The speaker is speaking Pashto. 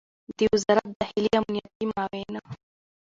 د وزارت داخلې امنیتي معین